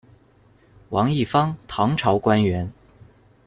王义方，唐朝官员。